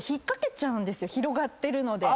広がってるので。